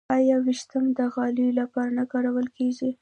آیا وریښم د غالیو لپاره نه کارول کیږي؟